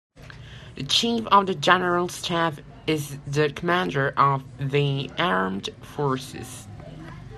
The Chief of the General Staff is the Commander of the Armed Forces.